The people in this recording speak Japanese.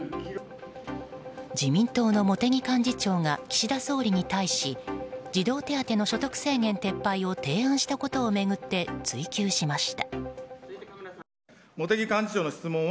自民党の茂木幹事長が岸田総理に対し児童手当の所得制限撤廃を提案したことを巡って追及しました。